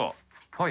はい。